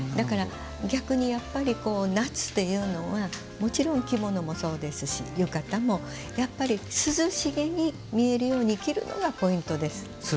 逆に、夏っていうのはもちろん着物もそうですし浴衣もやっぱり涼しげに見えるように着るのがポイントです。